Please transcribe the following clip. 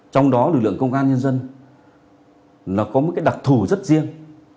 trong đó lực lượng công an nhân dân có một đặc thù rất dễ dàng